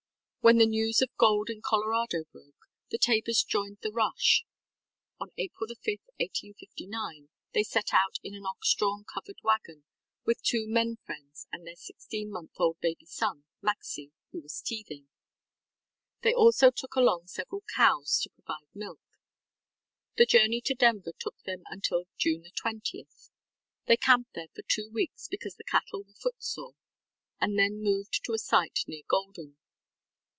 When the news of gold in Colorado broke, the Tabors joined the rush. On April 5, 1859, they set out in an ox drawn covered wagon with two men friends and their sixteen month old baby son, Maxcy, who was teething. They also took along several cows to provide milk. The journey to Denver took them until June 20. They camped there for two weeks because the cattle were footsore, and then moved to a site near Golden.